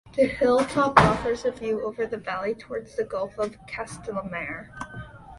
The hilltop offers a view over the valley towards the Gulf of Castellamare.